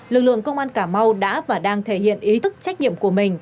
lực lượng công an cà mau đã và đang thể hiện ý thức trách nhiệm của mình